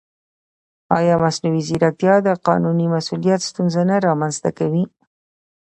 ایا مصنوعي ځیرکتیا د قانوني مسؤلیت ستونزه نه رامنځته کوي؟